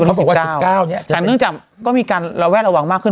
แต่เนื่องจากก็มีการระแวดระวังมากขึ้น